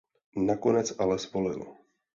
Nakonec ale svolil.